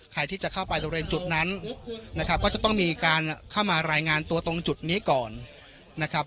ใครที่จะเข้าไปบริเวณจุดนั้นนะครับก็จะต้องมีการเข้ามารายงานตัวตรงจุดนี้ก่อนนะครับ